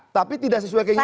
tapi tidak sesuai keinginan